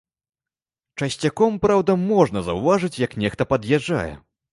Часцяком, праўда, можна заўважыць, як нехта пад'язджае.